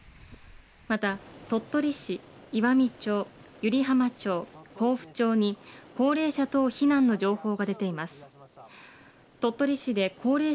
また鳥取市岩美町、ゆりはま町、こうふ町に高齢者等避難の情報が出ています。